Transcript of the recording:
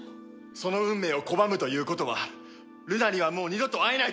その運命を拒むということはルナにはもう二度と会えないということだ。